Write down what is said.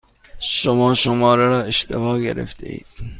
شما شماره را اشتباه گرفتهاید.